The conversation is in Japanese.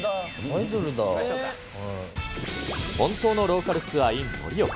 本当のローカルツアーｉｎ盛岡。